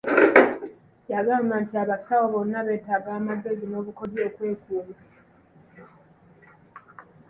Yagamba nti abasawo bonna beetaaga amagezi n'obukodyo okwekuuma.